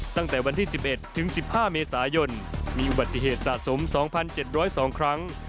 ตั้งแต่วันที่๑๑ถึง๑๕เมษายนมีอุบัติเหตุสะสม๒๗๐๒ครั้ง